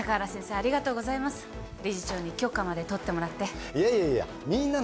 ありがとうございます理事長に許可まで取ってもらっていやいやいやみんなの